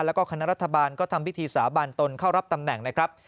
แล้วก็คณะรัฐบาลก็ทำพิธีสาบานตนเข้ารับตำแหน่งนะครับ